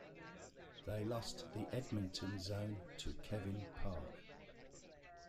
They lost the Edmonton Zone to Kevin Park.